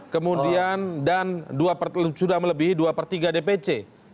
kemudian dan sudah melebihi dua per tiga dpc